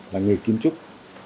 là nghề kiến trúc